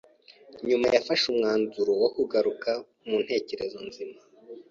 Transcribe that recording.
Nyuma yafashe umwanzuro wo kugaruka mu ntekerezo nzima.